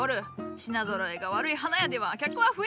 品ぞろえが悪い花屋では客は増えんぞ！